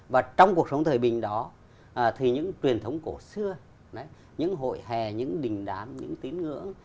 và trong cuộc sống thời bình đó thì những truyền thống cổ xưa những hội hè những đình đám những tín ngưỡng